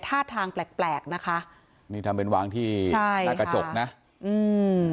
ท่าทางแปลกแปลกนะคะนี่ทำเป็นวางที่ใช่หน้ากระจกนะอืม